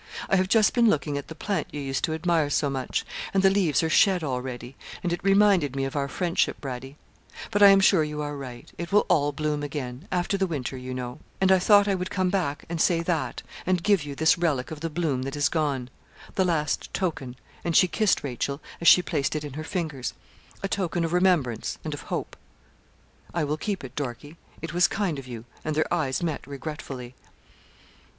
'I have just been looking at the plant you used to admire so much, and the leaves are shed already, and it reminded me of our friendship, Radie; but I am sure you are right; it will all bloom again, after the winter, you know, and I thought I would come back, and say that, and give you this relic of the bloom that is gone the last token,' and she kissed Rachel, as she placed it in her fingers, 'a token of remembrance and of hope.' 'I will keep it, Dorkie. It was kind of you,' and their eyes met regretfully.